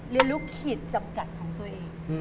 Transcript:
เรียนรู้ขีดจำกัดของตัวเอง